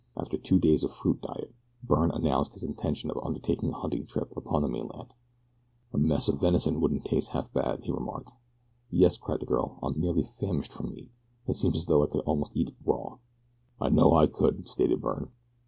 After two days of fruit diet, Byrne announced his intention of undertaking a hunting trip upon the mainland. "A mess of venison wouldn't taste half bad," he remarked. "Yes," cried the girl, "I'm nearly famished for meat it seems as though I could almost eat it raw." "I know that I could," stated Billy.